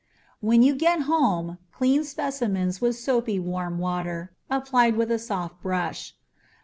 When you get home, clean specimens with soapy, warm water, applied with a soft brush.